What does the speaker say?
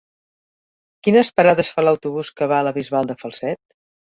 Quines parades fa l'autobús que va a la Bisbal de Falset?